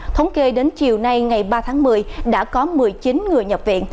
thống kê đến chiều nay ngày ba tháng một mươi đã có một mươi chín người nhập viện